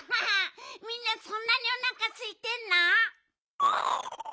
みんなそんなにおなかすいてんの？